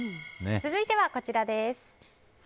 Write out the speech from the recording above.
続いてはこちらです。